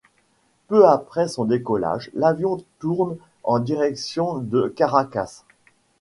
Peu après son décollage, l'avion tourne en direction de Caracas.